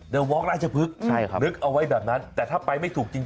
ข้างบัวแห่งสันยินดีต้อนรับทุกท่านนะครับ